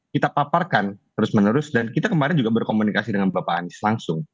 kita paparkan terus menerus dan kita kemarin juga berkomunikasi dengan bapak anies langsung